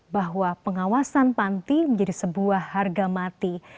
bahwa pengawasan panti menjadi sebuah harga mati